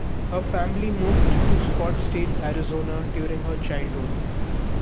Her family moved to Scottsdale, Arizona, during her childhood.